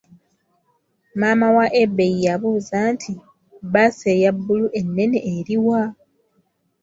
Maama wa Ebei yabuuza nti, bbaasi eyabulu ennene eri wa?